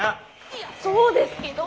いやそうですけど。